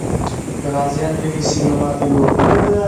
که غازیان تږي سي، نو ماتې به وخوري.